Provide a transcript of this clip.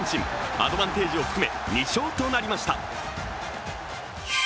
アドバンテージを含め２勝となりました。